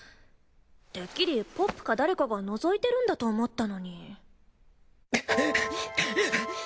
てっきりポップか誰かが覗いてるんだと思ったのに。